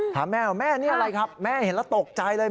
ถามแม่ว่าแม่นี่อะไรครับแม่เห็นแล้วตกใจเลย